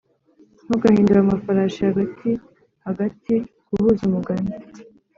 ntugahindure amafarashi hagati hagati guhuza umugani